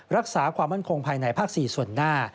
รักษาความมั่นคงภายในภาค๔ส่วนหน้า